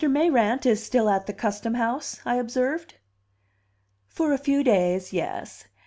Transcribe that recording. Mayrant is still at the Custom House?" I observed. "For a few days, yes.